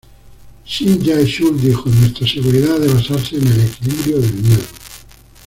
Shim Jae-chul dijo: "Nuestra seguridad ha de basarse en el equilibrio del miedo".